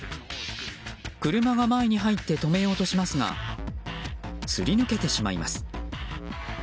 車が前に入って止めようとしますがすり抜けてしまいます。